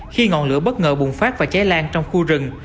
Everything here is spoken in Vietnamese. khi ngọn lửa bất ngờ bùng phát và cháy lan trong khu rừng